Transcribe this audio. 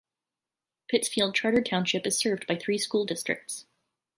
Pittsfield Charter Township is served by three school districts.